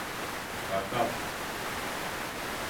Kartal…